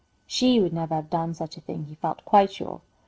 She would never have done such a thing, he felt quite sure.